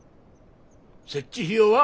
設置費用は？